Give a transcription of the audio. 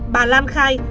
bà lan khai